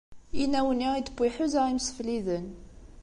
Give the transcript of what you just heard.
Inaw-nni i d-tewwi iḥuza imsefliden.